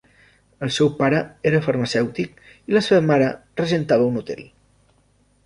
El seu pare era farmacèutic i la seva mare regentava un hotel.